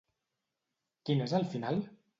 Quin és el final?